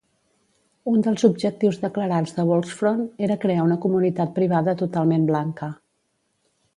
Un dels objectius declarats de Volksfront era crear una comunitat privada totalment blanca.